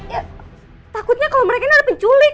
ya takutnya kalau mereka ini ada penculik